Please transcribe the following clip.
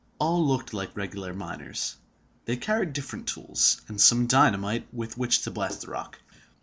All looked like regular miners. They carried different tools, and some dynamite with which to blast the rock.